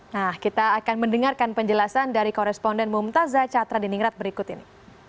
nah kita akan mendengarkan penjelasan dari koresponden mumtazah catra diningrat berikut ini